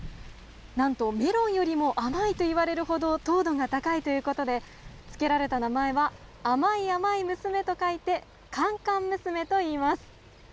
なんとメロンよりも甘いといわれるほど糖度が高いということで、付けられた名前は、甘い甘い娘と書いて、カンカンムスメといいます。